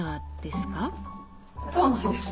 そうなんです。